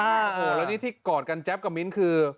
แล้วนี่ที่กอดกันแจ๊บกับมิ้นต์คือ